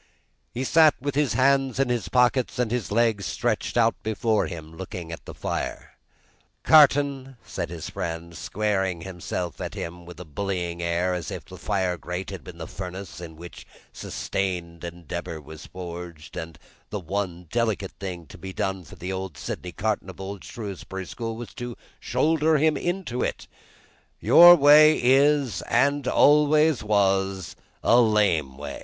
He sat, with his hands in his pockets and his legs stretched out before him, looking at the fire. "Carton," said his friend, squaring himself at him with a bullying air, as if the fire grate had been the furnace in which sustained endeavour was forged, and the one delicate thing to be done for the old Sydney Carton of old Shrewsbury School was to shoulder him into it, "your way is, and always was, a lame way.